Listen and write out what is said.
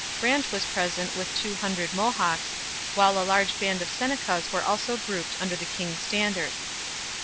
Brant was present with two hundred Mohawks, while a large band of Senecas were also grouped under the king's standard.